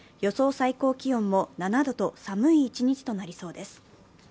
最高気温も７度と寒い一日となりそうです。